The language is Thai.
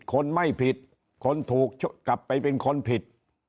คนไม่ผิดคนถูกกลับไปเป็นคนผิด